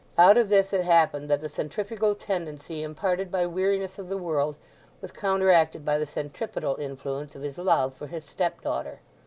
Out of this it happened that the centrifugal tendency imparted by weariness of the world was counteracted by the centripetal influence of his love for his stepdaughter.